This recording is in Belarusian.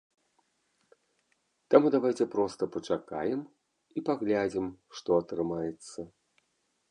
Таму давайце проста пачакаем і паглядзім, што атрымаецца.